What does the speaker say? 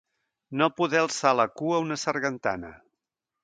No poder alçar la cua a una sargantana.